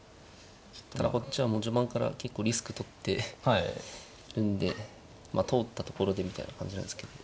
ただこっちはもう序盤から結構リスクとってるんでまあ通ったところでみたいな感じなんですけど。